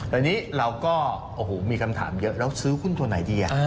อันนี้เราก็โอ้โหมีคำถามเยอะแล้วซื้อหุ้นตัวไหนดี